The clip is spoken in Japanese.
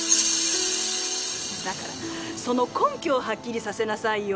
だからその根拠をはっきりさせなさいよ。